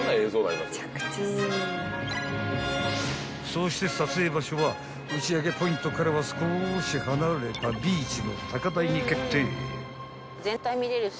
［そして撮影場所は打ち上げポイントからは少し離れたビーチの高台に決定］